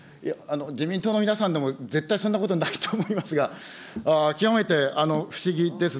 自民党の皆さんでも絶対そんなことないと思いますが、極めて不思議です。